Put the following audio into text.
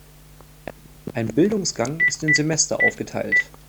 Ein Bildungsgang ist in Semester aufgeteilt.